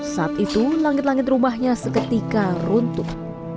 saat itu langit langit rumahnya seketika runtuh